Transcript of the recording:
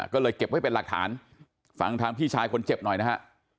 ก็เลยเก็บไว้เป็นหลักฐานฟังทางพี่ชายคนเจ็บหน่อยนะฮะ